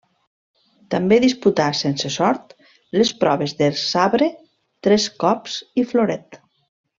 També disputà, sense sort, les proves de sabre, tres cops i floret.